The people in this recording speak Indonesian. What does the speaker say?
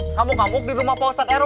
ngamuk ngamuk di rumah pak ustadz rw